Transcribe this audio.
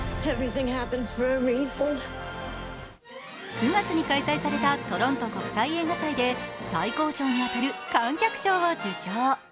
９月に開催されたトロント国際映画祭で最高賞に当たる観客賞を受賞。